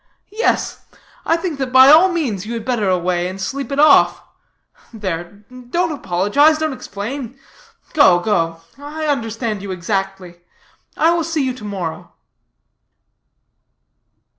Yes, I think that by all means you had better away, and sleep it off. There don't apologize don't explain go, go I understand you exactly. I will see you to morrow."